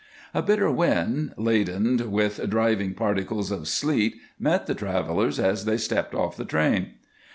A bitter wind laden with driving particles of sleet met the travelers as they stepped off the train.